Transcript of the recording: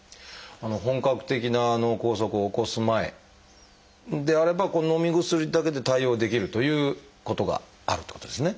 本格的な脳梗塞を起こす前であればのみ薬だけで対応できるということがあるってことですね。